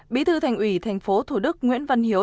bí thư thành ủy thành phố thủ đức nguyễn văn hiếu